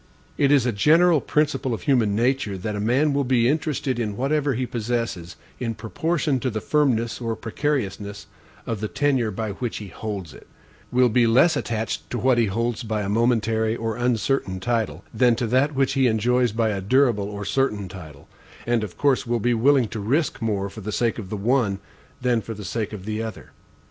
It is a general principle of human nature, that a man will be interested in whatever he possesses, in proportion to the firmness or precariousness of the tenure by which he holds it; will be less attached to what he holds by a momentary or uncertain title, than to what he enjoys by a durable or certain title; and, of course, will be willing to risk more for the sake of the one, than for the sake of the other.